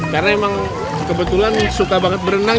karena emang kebetulan suka banget berenang